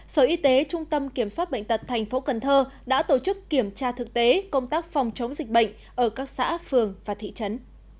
sở y tế trung tâm kiểm soát bệnh tật thành phố cần thơ đã tổ chức kiểm tra thực tế công tác phòng chống dịch bệnh ở các xã phường và thị trấn